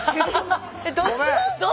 えどっちも？